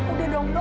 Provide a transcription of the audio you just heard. udah dong dong